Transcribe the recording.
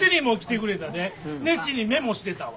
熱心にメモしてたわ。